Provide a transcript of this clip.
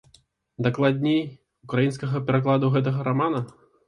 Дакладней, украінскага перакладу гэтага рамана.